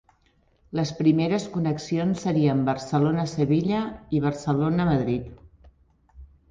Les primeres connexions serien Barcelona - Sevilla i Barcelona - Madrid.